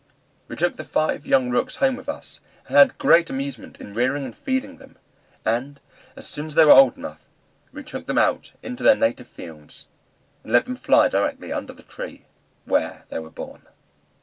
We took the five young rooks home with us, and had great amusement in rearing and feeding them, and as soon as they were old enough, we took them out into their native fields, and let them fly directly under the tree where they were born.